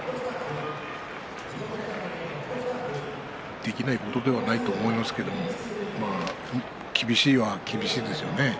できないことではないと思いますけどもね厳しいことは厳しいですね。